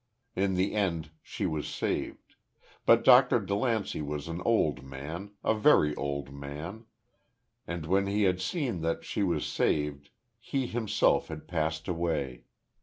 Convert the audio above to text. In the end she was saved. But Dr. DeLancey was an old man a very old man; and, when he had seen that she was saved, he himself had passed away.